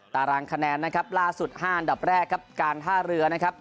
ตารางคะแนนนะครับล่าสุด๕อันดับแรกครับการท่าเรือนะครับ